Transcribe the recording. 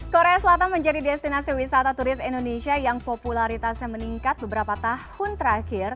korea selatan menjadi destinasi wisata turis indonesia yang popularitasnya meningkat beberapa tahun terakhir